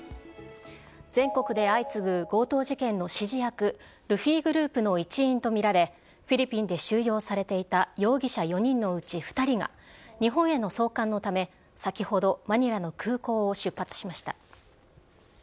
全国で相次ぐ強盗事件の指示役、ルフィグループの一員と見られ、フィリピンで収容されていた容疑者４人のうち２人が日本への送還のため、先ほど、マニラの空港を出発しました。